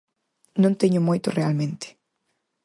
Non teño moito realmente.